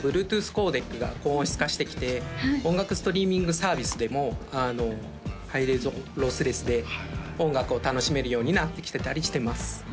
Ｂｌｕｅｔｏｏｔｈコーデックが高音質化してきて音楽ストリーミングサービスでもハイレゾをロスレスで音楽を楽しめるようになってきてたりしてます